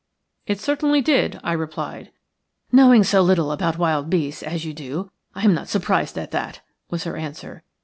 "It certainly did," I replied. "Knowing so little about wild beasts as you do I am not surprised at that," was her answer.